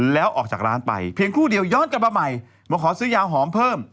แล้วออกจากร้านไปเพียงครู่เดียวย้อนกลับมาใหม่มาขอซื้อยาหอมเพิ่ม